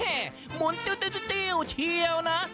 แม่หมุนติวเฉียวนะ